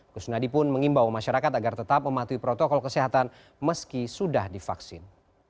kusnadi pun mengimbau masyarakat agar tetap mematuhi protokol kesehatan meski sudah divaksin